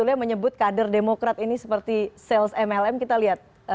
yang menyebut kader demokrat ini seperti sales mlm kita lihat